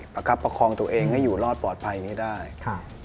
ประคับประคองตัวเองให้อยู่รอดปลอดภัยไม่ได้ค่ะ